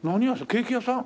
ケーキ屋さん？